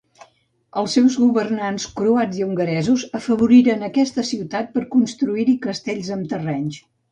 Els seus governants croats i hongaresos afavoriren aquesta ciutat per construir-hi castells amb terrenys.